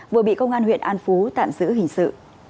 vừa bị công an huyện an phú tạm giữ hình sự